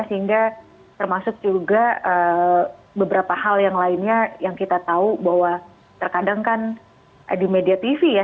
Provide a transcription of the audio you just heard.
sehingga termasuk juga beberapa hal yang lainnya yang kita tahu bahwa terkadang kan di media tv ya